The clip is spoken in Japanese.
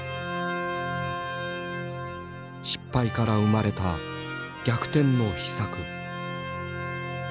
失敗から生まれた逆転の秘策。